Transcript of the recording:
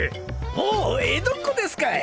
おう江戸っ子ですかい？